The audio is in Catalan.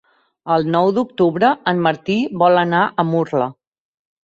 El nou d'octubre en Martí vol anar a Murla.